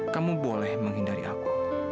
kamu boleh menghindari aku